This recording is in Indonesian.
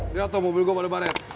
liat tuh mobil gua pada baret